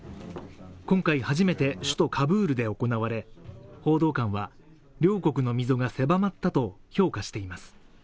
今回初めて首都カブールで行われ報道官は両国の溝が狭まったと評価しています